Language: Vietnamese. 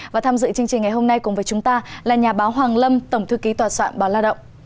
và tham dự chương trình ngày hôm nay cùng với chúng ta là nhà báo hoàng lâm tổng thư ký tòa soạn báo la động